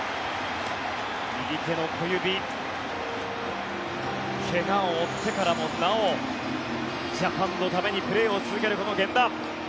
右手の小指怪我を負ってからもなおジャパンのためにプレーを続けるこの源田。